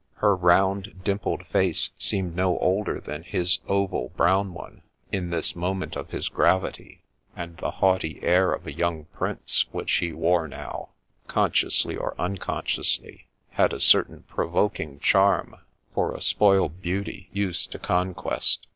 Her round, dimpled face seemed no older than his oval brown one, in this moment of his gravity, and the haughty air of a young prince which he wore now, con sciously or unconsciously, had a certain provoking charm for a spoiled beauty used to conquest.